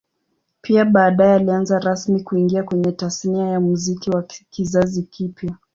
Pia baadae alianza rasmi kuingia kwenye Tasnia ya Muziki wa kizazi kipya